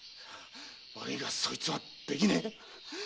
悪いがそいつはできねえ。